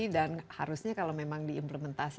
dan harusnya kalau memang diimplementasi